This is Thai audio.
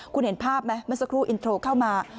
คุณเห็นภาพไหมเมื่อสักครู่อินโทรเข้ามา